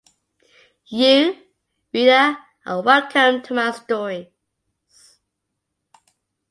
You, reader, are welcome to my stories.